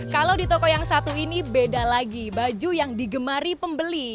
kalau di toko yang satu ini beda lagi baju yang digemari pembeli